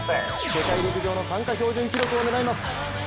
世界陸上の参加標準記録を狙います。